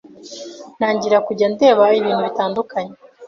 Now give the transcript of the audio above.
ntangira kujya ndeba ibintu bitandukanye